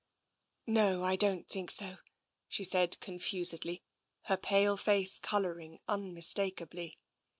No — I don't think so," she said con fusedly, her pale face colouring unmistakably.